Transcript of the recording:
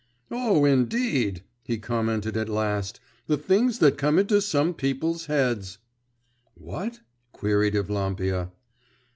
'Oh, indeed!' he commented at last. 'The things that come into some people's heads!' 'What?' queried Evlampia.